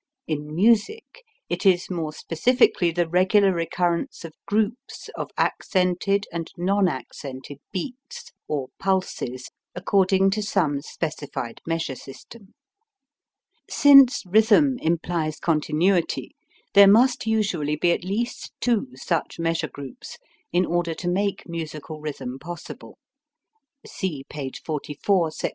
In music it is more specifically the regular recurrence of groups of accented and non accented beats (or pulses) according to some specified measure system. Since rhythm implies continuity, there must usually be at least two such measure groups in order to make musical rhythm possible. (See p. 44, Sec.